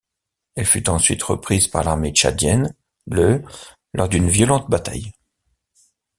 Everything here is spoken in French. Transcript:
Elle fut ensuite reprise par l'armée tchadienne le lors d'une violente bataille.